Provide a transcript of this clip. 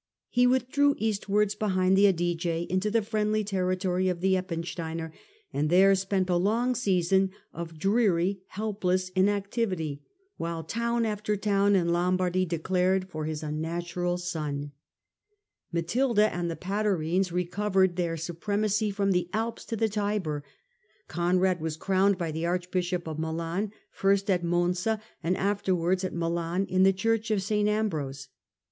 He withdrew east wards behind the Adige into the friendly territory of the Eppensteiner, and there spent a long season of dreary, helpless inactivity, while town after town in Lom bardy declared for his unnatural son. Matilda and the r\ Digitized by VjOOQIC 1 64 HiLDEBRAND Patarines recovered their supremacy from the Alps to the Tiber. Conrad was crowned by the archbishop of Milan, first at Monza, and afterwards at Milan in the church of St, Ambrose.